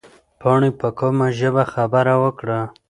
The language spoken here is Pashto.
پاڼې په کومه ژبه خبره وکړه؟